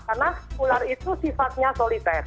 karena ular itu sifatnya solite